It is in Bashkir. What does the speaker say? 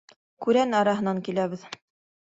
Күрән араһынан киләбеҙ.